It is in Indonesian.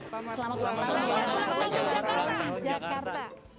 selamat ulang tahun jakarta